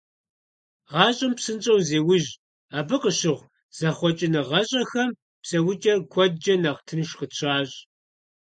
ГъащӀэм псынщӀэу зеужь, абы къыщыхъу зэхъуэкӀыныгъэщӀэхэм псэукӀэр куэдкӀэ нэхъ тынш къытщащӀ.